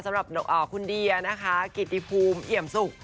สำหรับคุณเดียคิดตีภูมิเงียบสุข